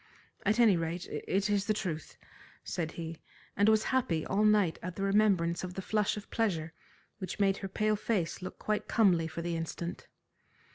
"At any rate, it is the truth," said he, and was happy all night at the remembrance of the flush of pleasure which made her pale face look quite comely for the instant.